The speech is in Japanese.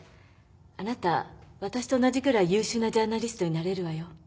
あなたわたしと同じくらい優秀なジャーナリストになれるわよ。